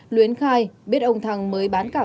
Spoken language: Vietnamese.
luyến khai biết ông thằng mới bán cà phê